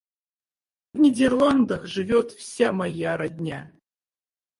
В Нидерландах живёт вся моя родня.